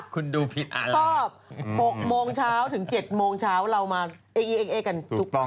คุณดูผิดชอบ๖โมงเช้าถึง๗โมงเช้าเรามาเอ๊ะกันถูกต้อง